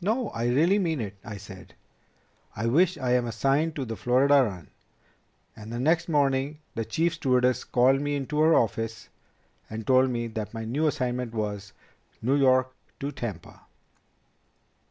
"No. I really mean it. I said, 'I wish I am assigned to the Florida run.' And the next morning the Chief Stewardess called me into her office and told me that my new assignment was New York to Tampa."